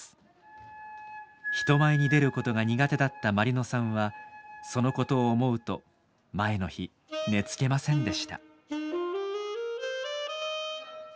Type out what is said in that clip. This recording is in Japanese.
人前に出ることが苦手だった毬乃さんはそのことを思うと前の日寝つけませんでした。